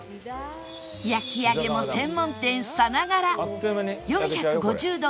焼き上げも専門店さながら